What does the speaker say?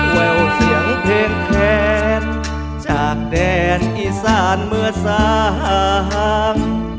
แววเสียงเพลงแค้นจากแดนอีสานเมื่อสาง